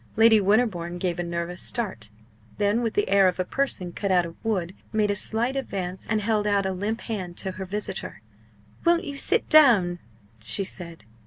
Lady Winterbourne gave a nervous start; then, with the air of a person cut out of wood, made a slight advance, and held out a limp hand to her visitor. "Won't you sit down?" she said.